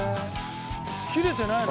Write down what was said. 切れてないの？